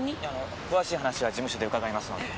詳しい話は事務所で伺いますので。